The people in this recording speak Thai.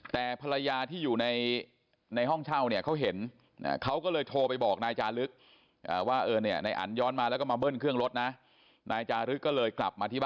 แต่ภรรยาที่อยู่ในห้องเช่าเนี่ยเขาเห็นเขาก็เลยโทรไปบอกนายจารึกว่า